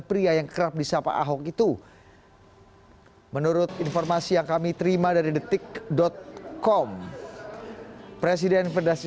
pria yang kerap disapa ahok itu menurut informasi yang kami terima dari detik com presiden federasi